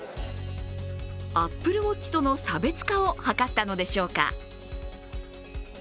アップルウォッチとの差別化を図ったのでしょうか。